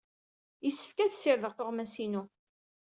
Yessefk ad ssirdeɣ tuɣmas-inu.